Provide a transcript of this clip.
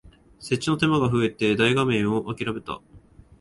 設置の手間が増えて大画面をあきらめた